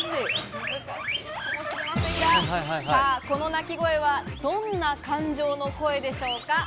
この鳴き声は、どんな感情の声でしょうか？